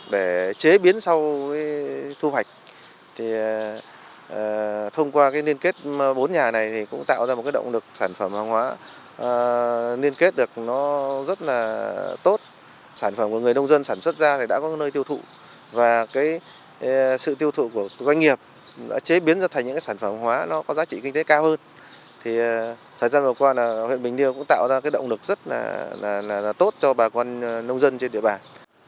đối với thu hoạch thì thông qua cái liên kết bốn nhà này thì cũng tạo ra một cái động lực sản phẩm hóa hóa liên kết được nó rất là tốt sản phẩm của người nông dân sản xuất ra thì đã có nơi tiêu thụ và cái sự tiêu thụ của doanh nghiệp đã chế biến ra thành những cái sản phẩm hóa nó có giá trị kinh tế cao hơn thì thời gian vừa qua là huyện bình điêu cũng tạo ra cái động lực rất là tốt cho bà con nông dân trên địa bàn